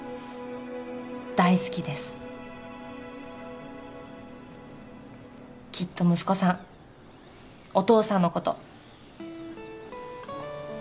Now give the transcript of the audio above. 大好きですきっと息子さんお父さんのこと